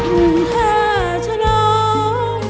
คุณค่ะชนอง